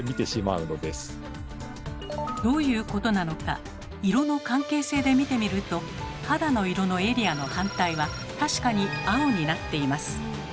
どういうことなのか色の関係性で見てみると肌の色のエリアの反対は確かに青になっています。